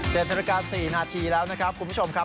นาฬิกาสี่นาทีแล้วนะครับคุณผู้ชมครับ